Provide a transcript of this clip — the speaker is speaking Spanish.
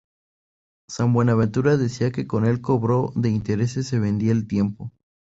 San Buenaventura decía que con el cobro de intereses se vendía el tiempo.